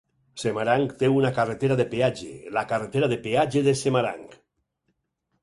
Semarang té una carretera de peatge, la Carretera de Peatge de Semarang.